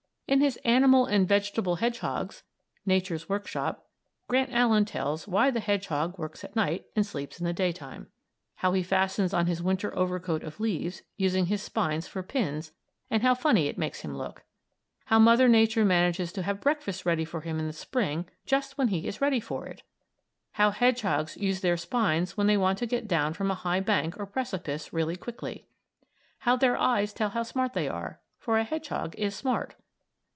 In his "Animal and Vegetable Hedgehogs" ("Nature's Work Shop") Grant Allen tells why the hedgehog works at night and sleeps in the daytime. How he fastens on his winter overcoat of leaves, using his spines for pins, and how funny it makes him look. How Mother Nature manages to have breakfast ready for him in the Spring just when he is ready for it. How hedgehogs use their spines when they want to get down from a high bank or precipice real quickly. How their eyes tell how smart they are; for a hedgehog is smart.